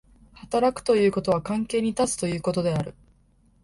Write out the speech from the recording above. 働くということは関係に立つということである。